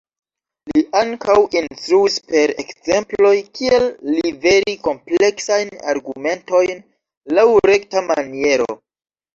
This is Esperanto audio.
Li ankaŭ instruis per ekzemploj kiel liveri kompleksajn argumentojn laŭ rekta maniero.